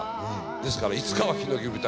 ですからいつかはひのき舞台。